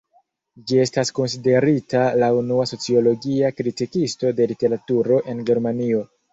Ĝi estas konsiderita la unua "sociologia" kritikisto de literaturo en Germanio.